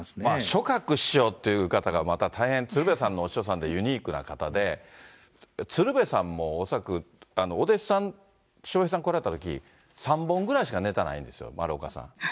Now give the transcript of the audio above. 松鶴師匠っていう方が、また大変、鶴瓶さんのお師匠さんで、大変ユニークな方で、鶴瓶さんも恐らく、お弟子さん、笑瓶さん来られたとき、３本ぐらいしかねたないんですよ、丸岡さん。